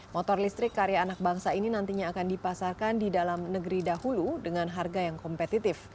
motor listrik karya anak bangsa ini nantinya akan dipasarkan di dalam negeri dahulu dengan harga yang kompetitif